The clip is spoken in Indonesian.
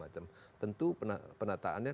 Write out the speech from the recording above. macam tentu penataannya